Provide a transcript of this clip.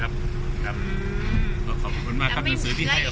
หมายถึงมันจะมีปัญหาอุปสรรคเข้ามาในช่วงไหนหรืออะไรยังไงเหละคะ